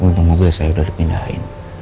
puntung mobil saya udah dipindahin